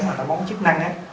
mà táo bón chức năng á